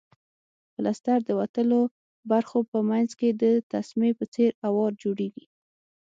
پلستر د وتلو برخو په منځ کې د تسمې په څېر اوار جوړیږي.